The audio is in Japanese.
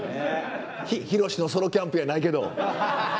ヒロシのソロキャンプやないけど。